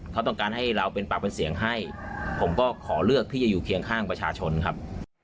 เขาต้องการให้เราเป็นปากเป็นเสียงให้ผมก็ขอเลือกที่จะอยู่เคียงข้างประชาชนครับ